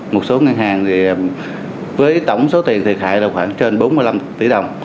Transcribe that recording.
một số ngân hàng với tổng số tiền thiệt hại là khoảng trên bốn mươi năm tỷ đồng